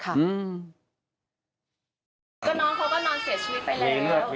ก็น้องเขาก็นอนเสียชีวิตไปแล้ว